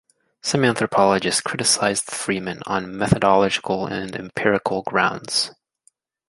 Some anthropologists criticized Freeman on methodological and empirical grounds.